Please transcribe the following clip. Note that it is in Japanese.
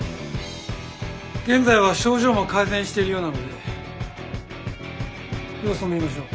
現在は症状も改善しているようなので様子を見ましょう。